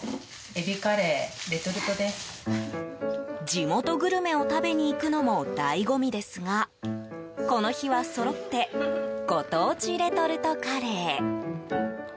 地元グルメを食べに行くのも醍醐味ですがこの日はそろってご当地レトルトカレー。